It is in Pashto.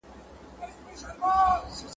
زه په دې ملنګه ورځ خسرو سمه قباد سمه !.